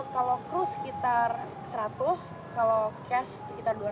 kalau crew sekitar seratus kalau cast sekitar dua ratus